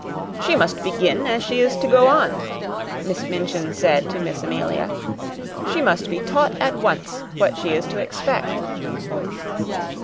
"She must begin as she is to go on," Miss Minchin said to Miss Amelia. "She must be taught at once what she is to expect."